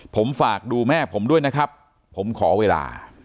ผมฝากดูแม่ผมด้วยนะครับผมขอเวลา